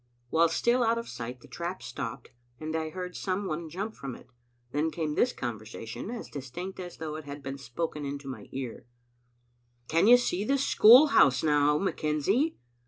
While still out of sight the trap stopped, and I heard some one jump from it. Then came this conversation, as distinct as though it had been spoken into my ear: "Can you see the school house now, McKenzie?"